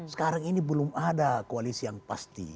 sekarang ini belum ada koalisi yang pasti